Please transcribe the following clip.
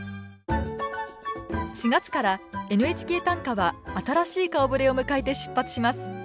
４月から「ＮＨＫ短歌」は新しい顔ぶれを迎えて出発します。